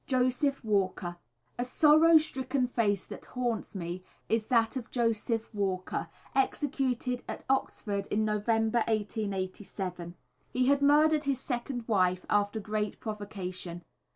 Joseph Walker. A sorrow stricken face that often haunts me is that of Joseph Walker, executed at Oxford in November, 1887. He had murdered his second wife, after great provocation.